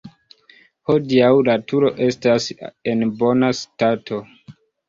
Hodiaŭ la turo estas en bona stato.